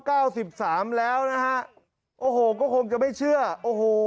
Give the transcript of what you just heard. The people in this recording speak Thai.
เก้าสิบสามแล้วนะฮะโอ้โหก็คงจะไม่เชื่อโอ้โห